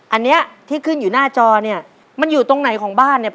อันนี้ที่ขึ้นอยู่หน้าจอเนี่ยมันอยู่ตรงไหนของบ้านเนี่ย